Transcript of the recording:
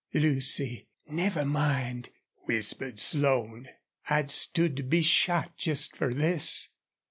"Lucy, never mind," whispered Slone. "I'd stood to be shot just for this."